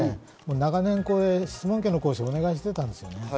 長年、質問権の行使、お願いしていたんですよね。